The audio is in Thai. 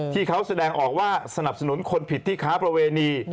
ที่เขาแสดงออกว่าสนับสนุนคนผิดที่ค้าประเวณี